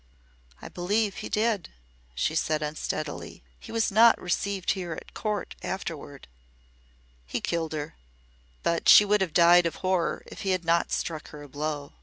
"I believe he did," she said, unsteadily. "He was not received here at Court afterward." "He killed her. But she would have died of horror if he had not struck her a blow.